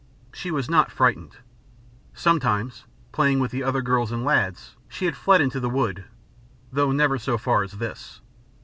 She was not frightened. Sometimes, playing with the other girls and lads, she had fled into the wood, though never so far as this.